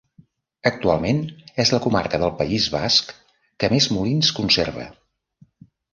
Actualment, és la comarca del País Basc que més molins conserva.